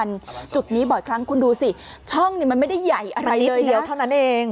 ในปั๊มน้ำมันจุดนี้บ่อยครั้งคุณดูสิช่องเนี่ยมันไม่ได้ใหญ่อะไรเลยเดี๋ยวเท่านั้นเอง